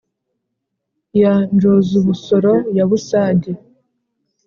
ya njozubusoro ya busage.